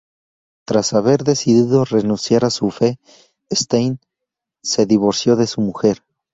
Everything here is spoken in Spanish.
Tras haber decidido renunciar a su fe, Stein se divorció de su mujer.